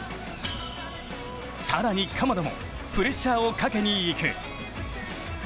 更に鎌田もプレッシャーをかけにいく。